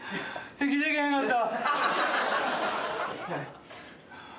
息でけへんかった。